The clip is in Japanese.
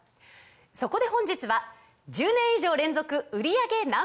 そこで本日は１０年以上連続売り上げＮｏ．１